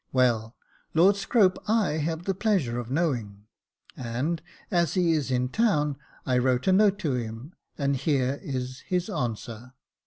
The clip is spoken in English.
"Well, Lord Scrope I have the pleasure of knowing; 284 Jacob Faithful and, as he is in town, T wrote a note to him, and here is his answer.